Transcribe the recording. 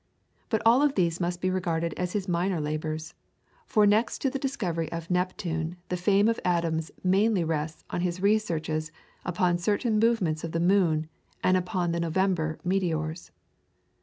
But all these must be regarded as his minor labours, for next to the discovery of Neptune the fame of Adams mainly rests on his researches upon certain movements of the moon, and upon the November meteors.